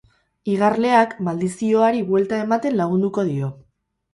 Igarleak maldizioari buelta ematen lagunduko dio.